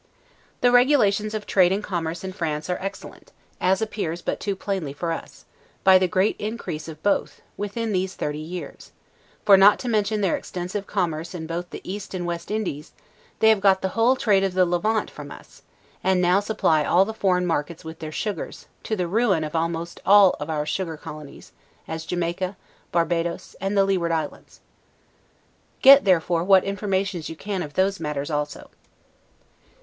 The regulations of trade and commerce in France are excellent, as appears but too plainly for us, by the great increase of both, within these thirty years; for not to mention their extensive commerce in both the East and West Indies, they have got the whole trade of the Levant from us; and now supply all the foreign markets with their sugars, to the ruin almost of our sugar colonies, as Jamaica, Barbadoes, and the Leeward Islands. Get, therefore, what informations you can of these matters also.